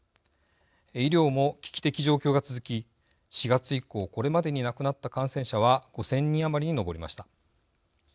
医療も危機的状況が続き４月以降これまでに亡くなった感染者は５０００人余りに上りました。